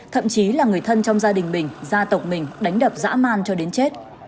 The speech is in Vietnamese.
thậm chí là người thân trong gia đình mình gia tộc mình đánh đập dã man cho đến chết